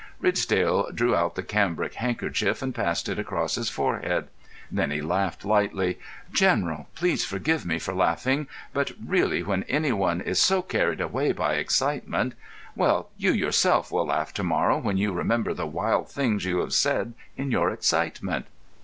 Ridsdale drew out the cambric handkerchief and passed it across his forehead. Then he laughed lightly. "General, please forgive me for laughing. But really when any one is so carried away by excitement—well, you yourself will laugh to morrow when you remember the wild things you have said in your excitement."